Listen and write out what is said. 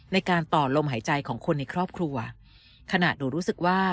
ในการต่อลมหายใจของคนในครอบครัวขณะหนูรู้สึกว่า